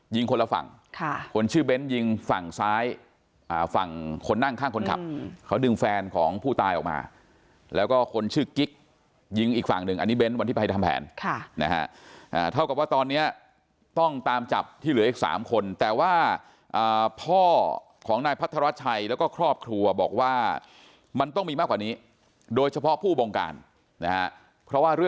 ยิงคนละฝั่งค่ะคนชื่อเบนซ์ยิงฝั่งซ้ายอ่าฝั่งคนนั่งข้างคนขับเขาดึงแฟนของผู้ตายออกมาแล้วก็คนชื่อกิ๊กยิงอีกฝั่งนึงอันนี้เบนซ์วันที่ไปทำแผนค่ะนะฮะอ่าเท่ากับว่าตอนเนี้ยต้องตามจับที่เหลืออีกสามคนแต่ว่าอ่าพ่อของนายพระธรรมชัยแล้วก็ครอบครัวบอกว่ามันต้องมีมากกว่านี้โดยเฉพาะผู้